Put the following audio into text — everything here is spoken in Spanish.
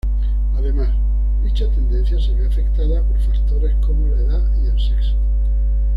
Además, dicha tendencia se ve afectada por factores como la edad y el sexo.